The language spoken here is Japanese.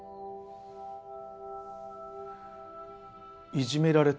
いじめられた？